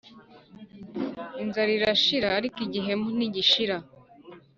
Inzara irashira ariko igihemu ntigishira